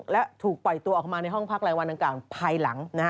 และถูกปล่อยตัวออกมาในห้องพักรายวันดังกล่าวภายหลัง